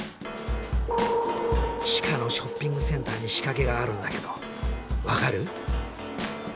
地下のショッピングセンターに仕掛けがあるんだけど分かる？